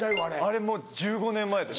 もう１５年前です。